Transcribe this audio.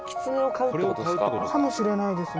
かもしれないですね」